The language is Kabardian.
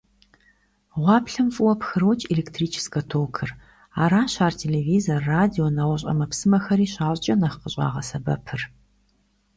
Гъуаплъэм фӀыуэ пхрокӀ электрическэ токыр, аращ ар телевизор, радио, нэгъуэщӀ Ӏэмэпсымэхэри щащӀкӀэ нэхъ къыщӀагъэсэбэпыр.